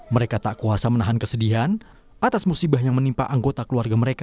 mereka tak kuasa menahan kesedihan atas musibah yang menimpa anggota keluarga mereka